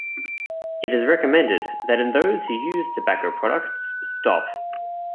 It is recommended that in those who use tobacco products stop.